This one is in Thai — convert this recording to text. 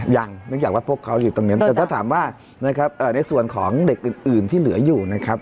ยังเนื่องจากว่าพวกเขาอยู่ตรงนั้นแต่ถ้าถามว่านะครับในส่วนของเด็กอื่นที่เหลืออยู่นะครับ